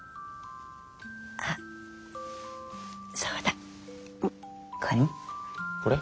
あっそうだこれ。